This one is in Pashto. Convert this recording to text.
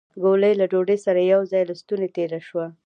ګولۍ له ډوډۍ سره يو ځای له ستونې تېره شوه.